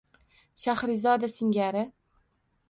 Shahrizoda singari.